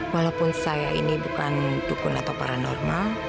walaupun saya ini bukan dukun atau paranormal